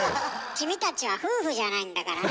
君たちは夫婦じゃないんだからね。